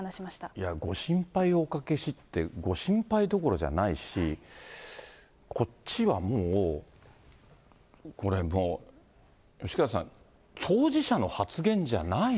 いや、ご心配をおかけしって、ご心配どころじゃないし、こっちはもう、これもう、吉川さん、違います。